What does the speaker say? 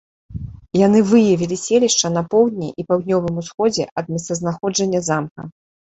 Яны выявілі селішча на поўдні і паўднёвым усходзе ад месцазнаходжання замка.